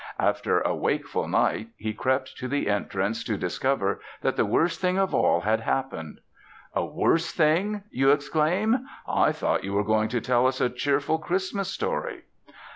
After a wakeful night he crept to the entrance to discover that the worst thing of all had happened. "A worse thing!" you exclaim. "I thought you were going to tell us a cheerful Christmas story."